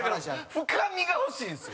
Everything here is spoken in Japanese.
深みが欲しいんですよ！